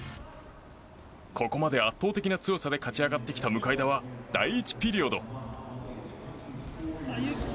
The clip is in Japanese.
ここまで圧倒的な強さで勝ち上がってきた向田は第１ピリオド。